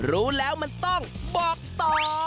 รู้แล้วมันต้องบอกต่อ